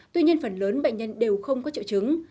tuy nhiên phần lớn bệnh nhân đều không có triệu chứng